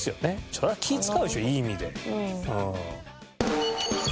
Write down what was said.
それは気ぃ使うでしょいい意味で。